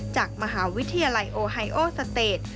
จากมหาวิทยาลัยโอไฮโอสเตจ